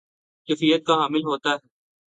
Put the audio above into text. کیفیت کا حامل ہوتا ہے